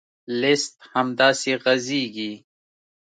لیست همداسې غځېږي.